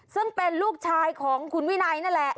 ซึ่งเป็นลูกชายของคุณวินัยนั่นแหละ